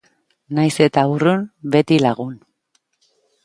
Nahiz eta urrun, beti lagun